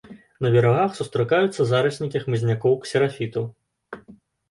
На берагах сустракаюцца зараснікі хмызнякоў-ксерафітаў.